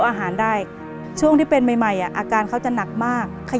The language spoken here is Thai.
รายการต่อไปนี้เป็นรายการทั่วไปสามารถรับชมได้ทุกวัย